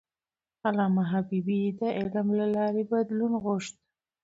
علامه حبيبي د علم له لارې بدلون غوښت.